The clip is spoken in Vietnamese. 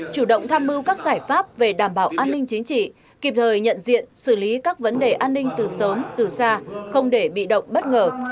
chủ động tham mưu các giải pháp về đảm bảo an ninh chính trị kịp thời nhận diện xử lý các vấn đề an ninh từ sớm từ xa không để bị động bất ngờ